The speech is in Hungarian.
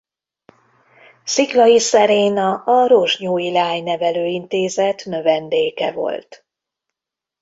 Sziklay Szeréna a Rozsnyói Leánynevelő Intézet növendéke volt.